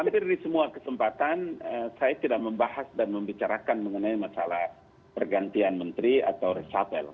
hampir di semua kesempatan saya tidak membahas dan membicarakan mengenai masalah pergantian menteri atau resapel